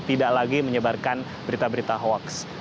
tidak lagi menyebarkan berita berita hoaks